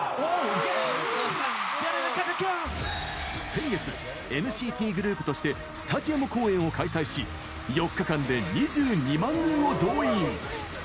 先月、ＮＣＴグループとしてスタジアム公演を開催し４日間で２２万人を動員。